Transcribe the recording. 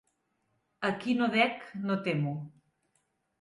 A qui no dec no temo.